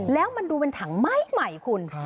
แล้วมันดูเป็นถังไม้ใหม่คุณ